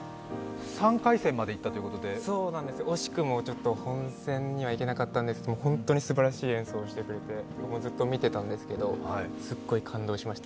３回戦で、惜しくも本戦には行けなかったんですけど、本当にすばらしい演奏をしてくれてずっと見てたんですけどすっごい感動しました。